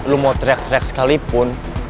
lu mau teriak teriak sekalipun